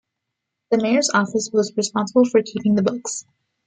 The Mayor's office was responsible for keeping the books.